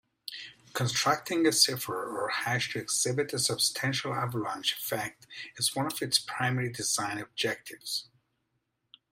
Constructing a cipher or hash to exhibit a substantial avalanche effect is one of its primary design objectives.